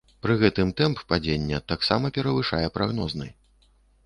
Пры гэтым тэмп падзення таксама перавышае прагнозны.